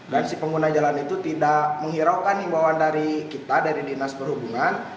dan si pengguna jalan itu tidak menghiraukan imbauan dari kita dari dinas perhubungan